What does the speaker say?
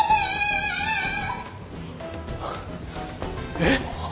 えっ？